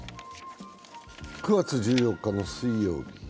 ９月１４日の水曜日。